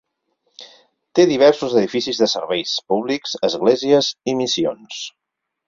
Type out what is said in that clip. Té diversos edificis de serveis públics, esglésies i missions.